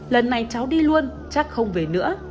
lần này cháu đi luôn chắc không về nữa